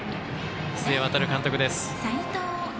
須江航監督です。